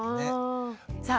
さあ